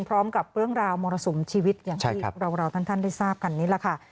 พร้อมกับเรื่องราวมรสุมชีวิตอย่างที่เราท่านได้ทราบกันนี่แหละค่ะ